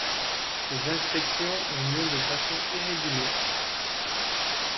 Ces inspections ont lieu de façon irrégulière.